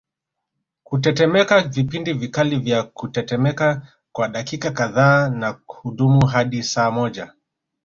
Kutetemeka vipindi vikali vya kutetemeka kwa dakika kadhaa na hudumu hadi saa moja